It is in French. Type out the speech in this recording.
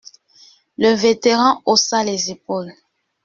Le vétéran haussa les épaules.